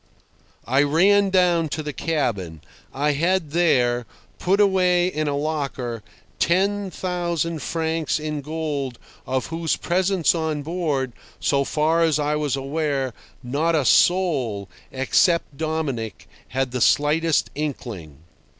I ran down to the cabin. I had there, put away in a locker, ten thousand francs in gold of whose presence on board, so far as I was aware, not a soul, except Dominic had the slightest inkling.